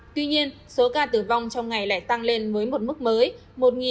tuy nhiên số ca tử vong trong ngày lại tăng lên với một mức mới